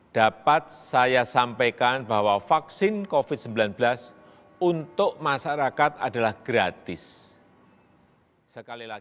dapat saya sampaikan bahwa vaksin covid sembilan belas untuk masyarakat adalah gratis